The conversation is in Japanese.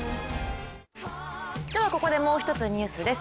ここでもう一つニュースです。